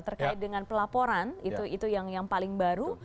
terkait dengan pelaporan itu yang paling baru